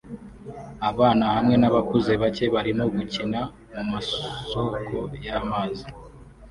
Abana hamwe nabakuze bake barimo gukina mumasoko y'amazi